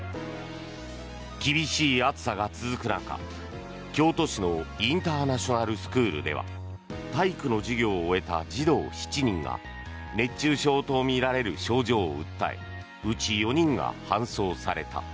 厳しい暑さが続く中、京都市のインターナショナルスクールでは体育の授業を終えた児童７人が熱中症とみられる症状を訴えうち４人が搬送された。